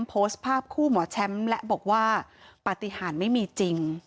โพสต์ภาพคู่หมอแชมป์และบอกว่าปฏิหารไม่มีจริง